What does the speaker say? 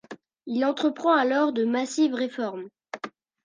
Il entreprend alors de massives réformes.